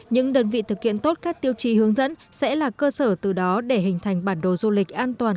những đơn vị thực hiện tốt các tiêu chí hướng dẫn sẽ là cơ sở từ đó để hình thành bản đồ du lịch an toàn